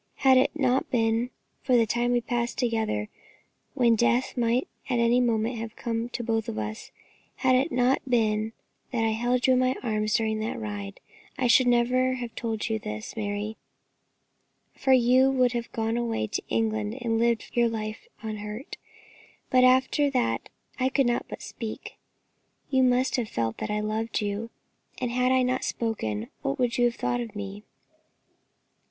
Had it not been for the time we passed together when death might at any moment have come to us both, had it not been that I held you in my arms during that ride, I should never have told you this, Mary, for you would have gone away to England and lived your life unhurt; but after that I could not but speak. You must have felt that I loved you, and had I not spoken, what would you have thought of me?"